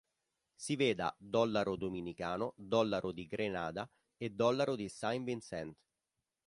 Si veda Dollaro dominicano, Dollaro di Grenada e Dollaro di Saint Vincent.